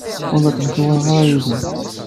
Ur la ttmecčiweɣ ara yid-m.